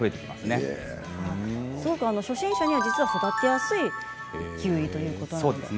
実は初心者には育てやすいキウイということです。